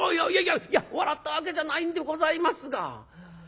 「いやいや笑ったわけじゃないんでございますが。